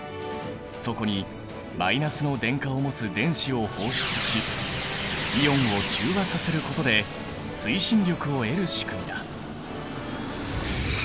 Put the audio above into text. そこにマイナスの電荷を持つ電子を放出しイオンを中和させることで推進力を得る仕組みだ。